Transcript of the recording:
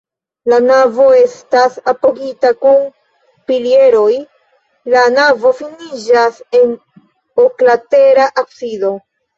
La navo estas apogita kun pilieroj, la navo finiĝas en oklatera absido.